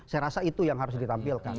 saya rasa itu yang harus ditampilkan